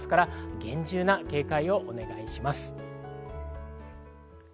厳重な警戒をお願いします。